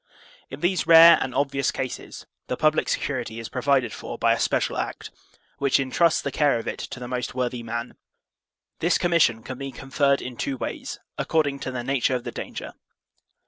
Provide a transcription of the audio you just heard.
In these rare and obvious cases, the public security is provided for by a special act, which intrusts the care of it to the most worthy man. This commission can be conferred in two ways, according to the nature of the danger.